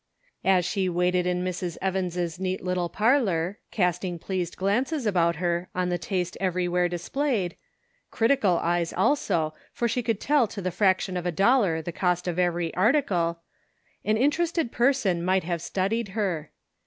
As she waited in Mrs. Evans' neat little parlor, casting pleased eyes about her on the taste everywhere dis played, .critical eyes also, for she could tell to the fraction of a dollar the cost of every article, an interested person might have studied her.